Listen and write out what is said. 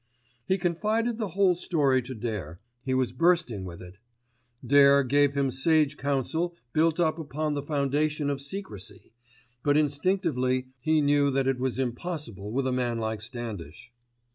He confided the whole story to Dare, he was bursting with it. Dare gave him sage counsel built up upon the foundation of secrecy, but instinctively he knew that it was impossible with a man like Standish.